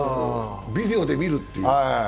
ビデオで見るっていう。